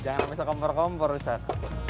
jangan bisa kompor kompor rusak